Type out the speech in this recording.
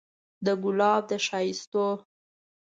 د ګلاب د ښايستو